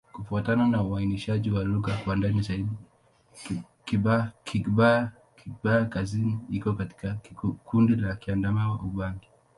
Kufuatana na uainishaji wa lugha kwa ndani zaidi, Kigbaya-Kaskazini iko katika kundi la Kiadamawa-Ubangi.